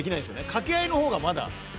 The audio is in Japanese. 掛け合いのほうがまだ。